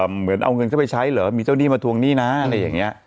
เหมือนเอาเงินเข้าไปใช้เหรอมีเจ้าหนี้มาทวงหนี้นะอะไรอย่างนี้